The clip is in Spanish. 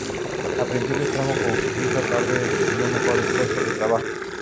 Al principio trabajó como corista, más tarde recibió mejores puestos de trabajo.